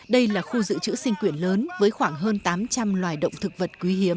đây là khu dự trữ sinh quyển lớn với khoảng hơn tám trăm linh loài động thực vật quý hiếm